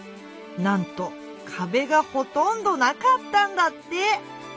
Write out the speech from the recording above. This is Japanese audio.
なんとかべがほとんどなかったんだって！